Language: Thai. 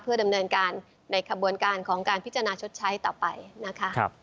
ดำเนินการในขบวนการของการพิจารณาชดใช้ต่อไปนะคะ